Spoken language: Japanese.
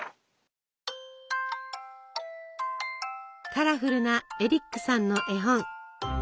カラフルなエリックさんの絵本。